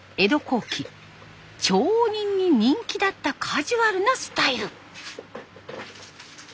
後期町人に人気だったカジュアルなスタイル。